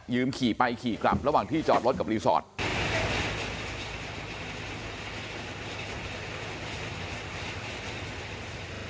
ขี่ไปขี่กลับระหว่างที่จอดรถกับรีสอร์ท